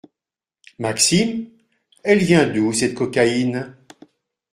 Maxime ? Elle vient d’où, cette cocaïne ?